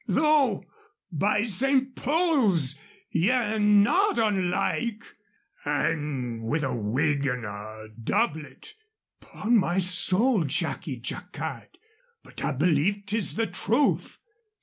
Though, by St. Paul's ye're not unlike An' with a wig an' doublet 'Pon my soul, Jacky Jacquard, but I believe 'tis the truth.